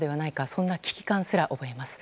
そんな危機感すら覚えます。